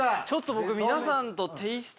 ちょっと僕皆さんと。